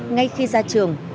ngay khi ra trường